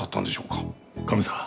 カメさん。